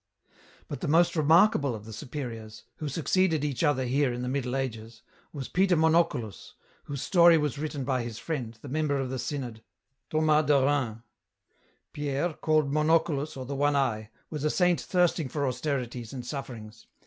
" But the most remarkable of the superiors, who succeeded each other here in the middle ages, was Petei Monoculus, whose story was written by his friend, the member of the synod, Thomas de Reuu. " Pierre, called Monoculus, or the one eyed, was a saint thirsting for austerities and sufferings.